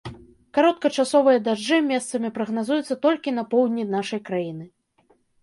Кароткачасовыя дажджы месцамі прагназуюцца толькі на поўдні нашай краіны.